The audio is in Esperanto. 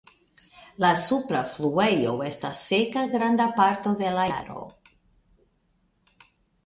La supra fluejo estas seka granda parto de la jaro.